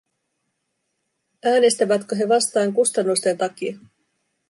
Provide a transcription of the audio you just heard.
Äänestävätkö he vastaan kustannusten takia?